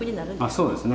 あっそうですね。